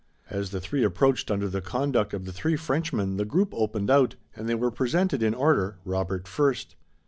As the three approached under the conduct of the three Frenchmen the group opened out, and they were presented in order, Robert first.